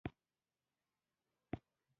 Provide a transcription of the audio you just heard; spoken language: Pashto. دوی به تر هغه وخته پورې په ټولګیو کې حاضریږي.